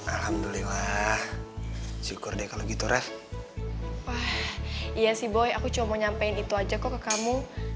alhamdulillah syukur deh kalau gitu ref wah iya sih boy aku cuma nyampein itu aja kok ke kamu